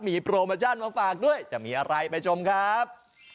มีโปรโมชั่นมาฝากด้วยจะมีอะไรไปชมครับ